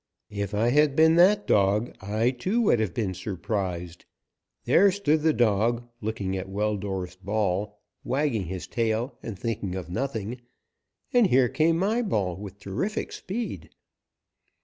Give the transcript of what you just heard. If I had been that dog, I, too, would have been surprised. There stood the dog, looking at Weldorf's ball, wagging his tail and thinking of nothing, and here came my ball with terrific speed.